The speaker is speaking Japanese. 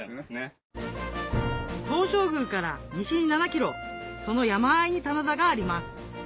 東照宮から西に７ｋｍその山あいに棚田があります